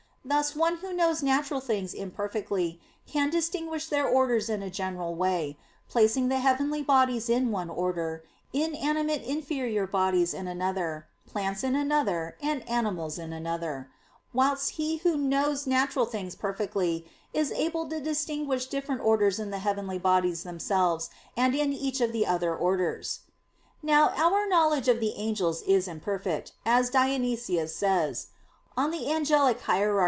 Thus, one who knows natural things imperfectly, can distinguish their orders in a general way, placing the heavenly bodies in one order, inanimate inferior bodies in another, plants in another, and animals in another; whilst he who knows natural things perfectly, is able to distinguish different orders in the heavenly bodies themselves, and in each of the other orders. Now our knowledge of the angels is imperfect, as Dionysius says (Coel. Hier.